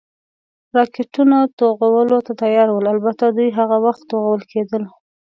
راکټونه، توغولو ته تیار ول، البته دوی هغه وخت توغول کېدل.